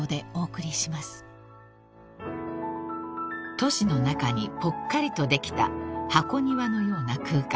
［都市の中にぽっかりとできた箱庭のような空間］